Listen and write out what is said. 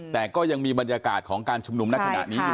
แต่ก็ยังมีบรรยากาศของการชุมนุมในขณะนี้อยู่